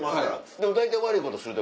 でも大体悪いことする時？